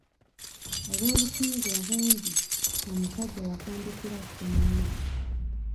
Olw’obusungu obungi, omusajja yafundikira asse munne.